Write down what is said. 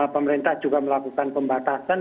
pemerintah juga melakukan pembatasan